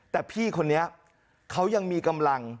แต่พี่คนนี้เขายังมีกำลัง